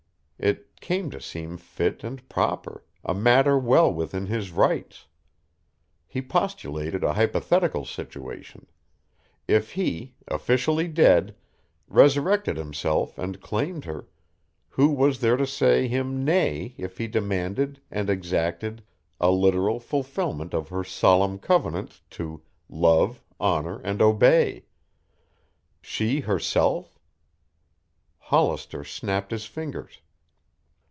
It came to seem fit and proper, a matter well within his rights. He postulated a hypothetical situation; if he, officially dead, resurrected himself and claimed her, who was there to say him nay if he demanded and exacted a literal fulfilment of her solemn covenant to "love, honor, and obey?" She herself? Hollister snapped his fingers.